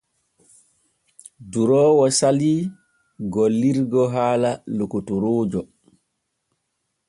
Duroowo salii gillirgo haala lokotoroojo.